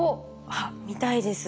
あっ見たいです。